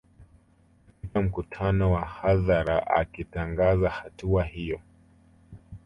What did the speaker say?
Katika mkutano wa hadhara akitangaza hatua hiyo